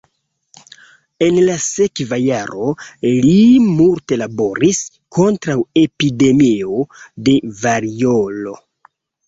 En la sekva jaro li multe laboris kontraŭ epidemio de variolo.